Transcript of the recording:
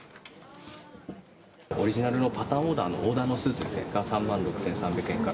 オリジナルのパターンオーダーのスーツですね、が、３万６０００円から。